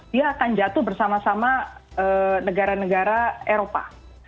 dia akan jatuh bersama sama negara negara eropa